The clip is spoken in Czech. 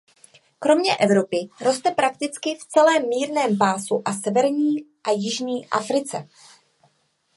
Kromě Evropy roste prakticky v celém mírném pásu a severní a jižní Africe.